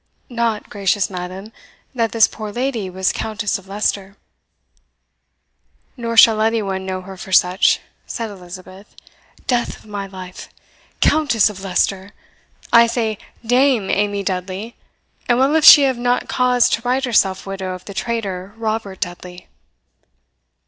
"Not, gracious madam, that this poor lady was Countess of Leicester." "Nor shall any one know her for such," said Elizabeth. "Death of my life! Countess of Leicester! I say Dame Amy Dudley; and well if she have not cause to write herself widow of the traitor Robert Dudley."